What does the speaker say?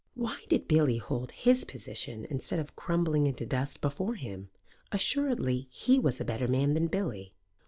Why did Billy hold his position instead of crumbling into dust before him? Assuredly he was a better man than Billy.